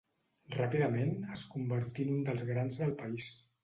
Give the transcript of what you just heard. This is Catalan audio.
Ràpidament es convertí en un dels grans del país.